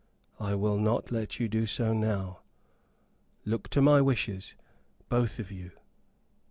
I will not let you do so now. Look to my wishes, both of you.